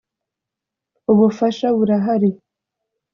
ubufasha burahari.